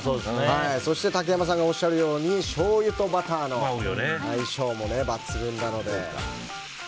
そして、竹山さんがおっしゃるようにしょうゆとバターの相性も抜群なので。